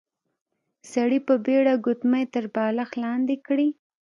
سړي په بيړه ګوتمۍ تر بالښت لاندې کړې.